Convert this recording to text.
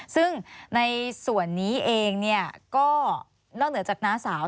ซึ่งในส่วนนี้เองก็นอกเหนือจากน้าสาว